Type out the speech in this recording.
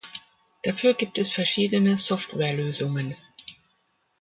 Dafür gibt es verschiedene Softwarelösungen.